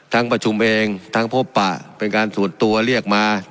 ทั้งประชุมเองทั้งโปรปะเป็นการศูนย์ตัวเรียกมา